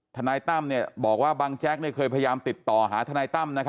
ทนายตั้มบอกว่าบังแจ๊กเคยพยายามติดต่อหาทนายตั้ม